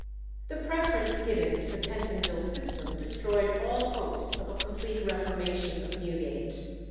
The preference given to the Pentonville system destroyed all hopes of a complete reformation of Newgate.